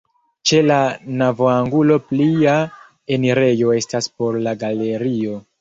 Ĉe la navoangulo plia enirejo estas por la galerio.